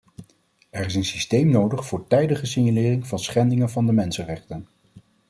Er is een systeem nodig voor tijdige signalering van schendingen van de mensenrechten.